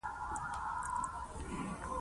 موږ چې د شتمني د ترلاسه کولو په هڅه کې يو.